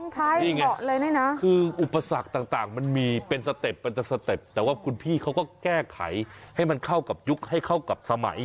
นี่ไงคืออุปสรรคต่างมันมีเป็นสเต็ปมันจะสเต็ปแต่ว่าคุณพี่เขาก็แก้ไขให้มันเข้ากับยุคให้เข้ากับสมัย